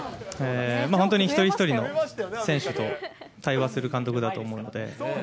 本当に一人一人の選手と対話する監督だと思うので。